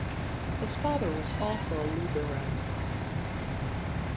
His father was also a Lutheran.